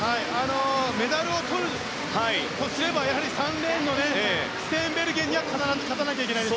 メダルをとるとすればやはり３レーンのステーンベルゲンには必ず勝たないといけません。